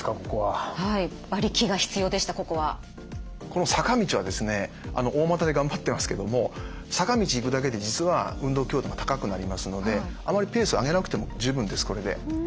この坂道は大股で頑張ってますけども坂道行くだけで実は運動強度が高くなりますのであまりペースを上げなくても十分ですこれで。